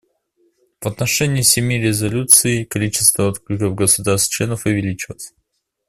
В отношении семи резолюций количество откликов государств-членов увеличилось.